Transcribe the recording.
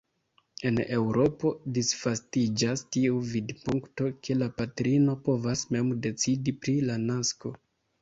En Eŭropo disvastiĝas tiu vidpunkto, ke la patrino povas mem decidi pri la nasko.